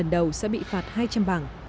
đầu sẽ bị phạt hai trăm linh bảng